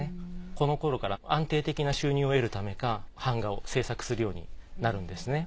この頃から安定的な収入を得るためか版画を制作するようになるんですね。